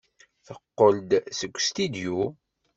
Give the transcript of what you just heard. Teqqel-d seg ustidyu.